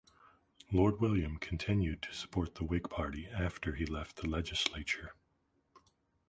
Lord William continued to support the Whig Party after he left the legislature.